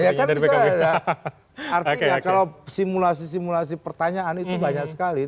artinya kalau simulasi simulasi pertanyaan itu banyak sekali